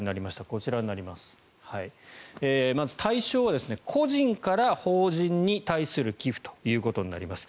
こちら、まず対象は個人から法人に対する寄付となります。